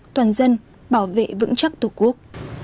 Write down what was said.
toàn dân bảo vệ vững chắc tổ quốc